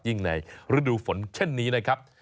ในฤดูฝนเช่นนี้นะครับ